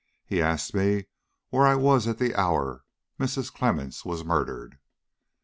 He asked me where I was at the hour Mrs. Clemmens was murdered."